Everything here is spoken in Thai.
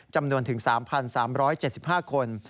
จำนวนถึง๓๓๗๕คน